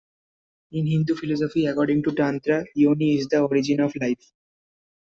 In Hindu philosophy, according to tantra, yoni is the origin of life.